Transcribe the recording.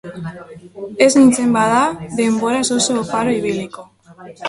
Ez nintzen, bada, denboraz oso oparo ibiliko.